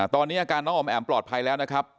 ตอนนี้อาการน้องออมแอ๋มปลอดภัยแล้วนะครับ